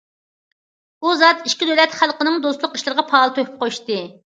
ئۇ زات ئىككى دۆلەت خەلقىنىڭ دوستلۇق ئىشلىرىغا پائال تۆھپە قوشتى.